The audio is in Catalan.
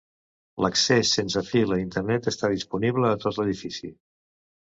L'accés sense fil a Internet està disponible a tot l'edifici.